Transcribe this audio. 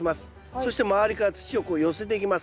そして周りから土をこう寄せていきます。